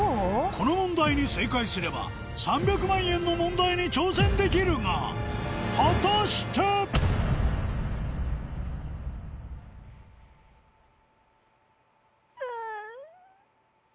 この問題に正解すれば３００万円の問題に挑戦できるが果たして⁉うぅ。